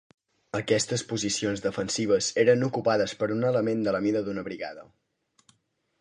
Aquestes posicions defensives eren ocupades per un element de la mida d'una brigada.